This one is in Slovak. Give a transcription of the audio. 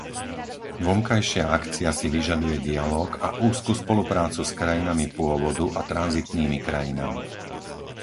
Vonkajšia akcia si vyžaduje dialóg a úzku spoluprácu s krajinami pôvodu a tranzitnými krajinami.